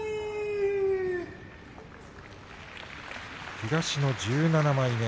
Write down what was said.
東の１７枚目。